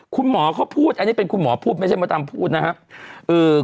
คุณหมอเขาพูดอันนี้เป็นคุณหมอพูดไม่ใช่มดดำพูดนะครับ